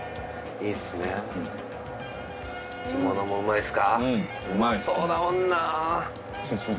いいですか？